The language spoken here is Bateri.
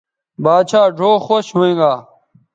باچھا ڙھؤ خوش ھوینگا